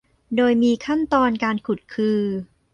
โดยมีขั้นตอนการขุดคือ